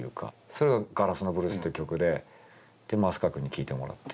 それが「ガラスのブルース」っていう曲で増川くんに聴いてもらって。